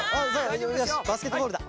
よしバスケットボールだ。